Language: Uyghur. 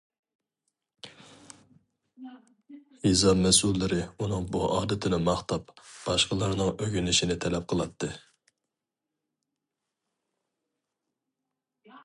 يېزا مەسئۇللىرى ئۇنىڭ بۇ ئادىتىنى ماختاپ، باشقىلارنىڭ ئۆگىنىشىنى تەلەپ قىلاتتى.